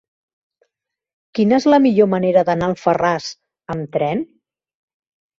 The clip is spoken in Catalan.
Quina és la millor manera d'anar a Alfarràs amb tren?